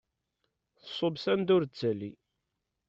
Tṣubb s anda ur d-tettali.